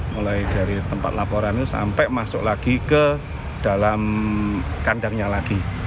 mulai dari tempat laporan itu sampai masuk lagi ke dalam kandangnya lagi